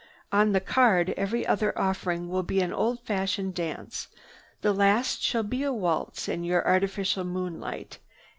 On the card every other offering will be an old fashioned dance. The last shall be a waltz in your artificial moonlight.